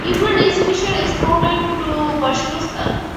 Ukrainian institutions exported to Bashkortostan.